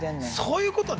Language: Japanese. そういうことね！